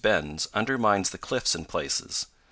bends, undermines the cliffs in places.